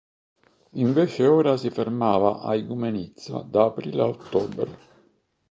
Invece ora si fermava a Igoumenitsa da aprile a ottobre.